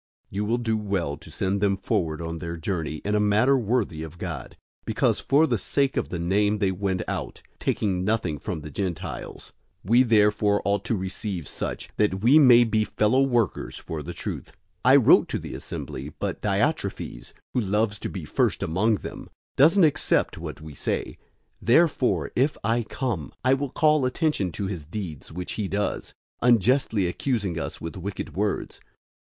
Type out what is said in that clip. You will do well to send them forward on their journey in a manner worthy of God, 001:007 because for the sake of the Name they went out, taking nothing from the Gentiles. 001:008 We therefore ought to receive such, that we may be fellow workers for the truth. 001:009 I wrote to the assembly, but Diotrephes, who loves to be first among them, doesn't accept what we say. 001:010 Therefore, if I come, I will call attention to his deeds which he does, unjustly accusing us with wicked words.